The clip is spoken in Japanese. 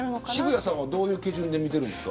渋谷さんはどういう基準で見てるんですか。